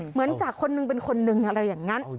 เหมือนจากคนหนึ่งเป็นคนหนึ่งอะไรอย่างนั้น